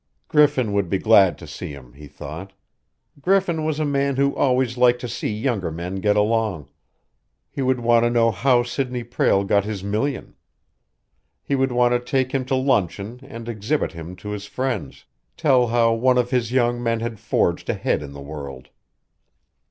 Griffin would be glad to see him, he thought. Griffin was a man who always liked to see younger men get along. He would want to know how Sidney Prale got his million. He would want to take him to luncheon and exhibit him to his friends tell how one of his young men had forged ahead in the world.